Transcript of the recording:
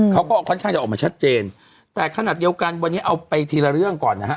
เขาก็ค่อนข้างจะออกมาชัดเจนแต่ขนาดเดียวกันวันนี้เอาไปทีละเรื่องก่อนนะฮะ